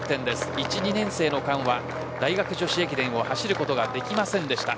１、２年生の間は大学女子駅伝を走ることができませんでした。